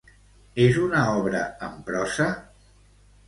És una obra en prosa?